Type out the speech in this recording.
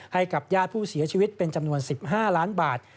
ให้กับญาติผู้เสียชีวิตเป็นจำนวน๑๕ล้านบาท